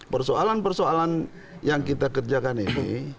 persoalan persoalan yang kita kerjakan ini